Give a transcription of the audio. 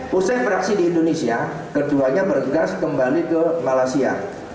pusat peraksi di indonesia keduanya bergegas kembali ke malaysia